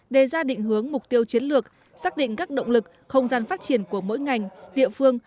đề ra định hướng mục tiêu chiến lược xác định các động lực không gian phát triển của mỗi ngành địa phương